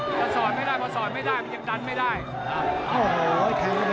แต่สอนไม่ได้เพราะสอนไม่ได้มันยังดันไม่ได้